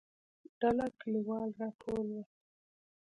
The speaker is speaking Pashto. ډله کليوال راټول ول.